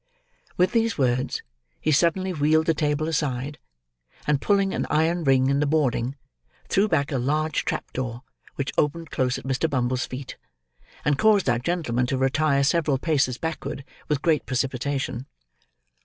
With these words, he suddenly wheeled the table aside, and pulling an iron ring in the boarding, threw back a large trap door which opened close at Mr. Bumble's feet, and caused that gentleman to retire several paces backward, with great precipitation.